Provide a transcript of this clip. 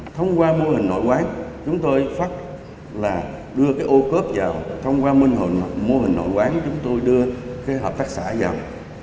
thông qua mô hình nội quán chúng tôi phát là đưa cái ô cốp vào thông qua mô hình nội quán chúng tôi đưa cái hợp tác xã vào